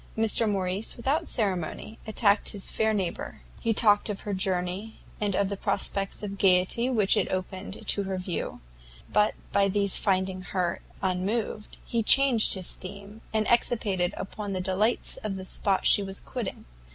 Mr Morrice, without ceremony, attacked his fair neighbour; he talked of her journey, and the prospects of gaiety which it opened to her view; but by these finding her unmoved, he changed his theme, and expatiated upon the delights of the spot she was quitting.